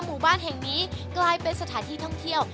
หมู่บ้านแห่งนี้กลายเป็นสถานที่ท่องเที่ยว